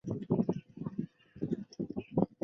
勒马德唐克。